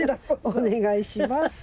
お願いします。